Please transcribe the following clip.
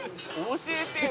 「教えてよ！」